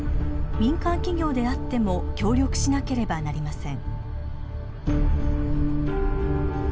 民間企業であっても協力しなければなりません。